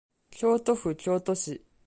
京都府京都市